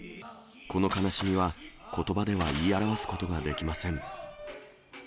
この悲しみはことばでは言い表すことができません。